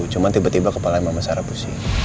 cuman tiba tiba kepalan mama sarah pusing